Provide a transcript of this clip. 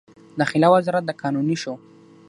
داخله وزارت د قانوني شو.